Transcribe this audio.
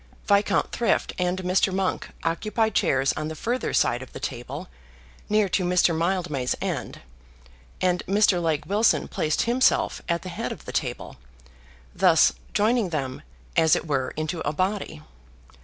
Viscount Thrift and Mr. Monk occupied chairs on the further side of the table, near to Mr. Mildmay's end, and Mr. Legge Wilson placed himself at the head of the table, thus joining them as it were into a body.